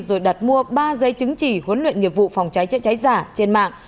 rồi đặt mua ba giấy chứng chỉ huấn luyện nghiệp vụ phòng trái trái trái giả trên mạng